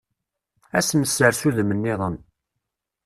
Ad s-nessers udem-nniḍen.